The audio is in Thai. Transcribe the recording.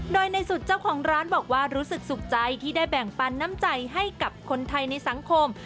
โดยในสุดเจ้าของร้านบอกว่ารู้สึกสุขใจที่ได้แบ่งปันน้ำใจให้กับคนไทยในสังคม